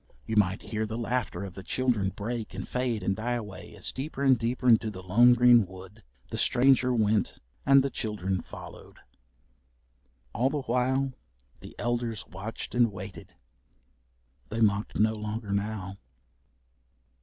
You might hear the laughter of the children break and fade and die away as deeper and deeper into the lone green wood the stranger went and the children followed. All the while, the elders watched and waited. They mocked no longer now.